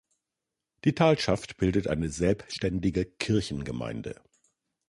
Die Talschaft bildet eine selbständige Kirchgemeinde.